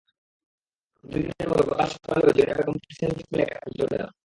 প্রতিদিনের মতো গতকাল সকালেও জরিনা বেগম ক্রিসেন্ট জুটমিলে কাজে চলে যান।